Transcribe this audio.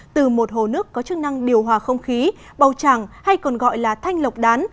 từ một hồ nước có chức năng điều hòa không khí bầu trảng hay còn gọi là thanh lộc đán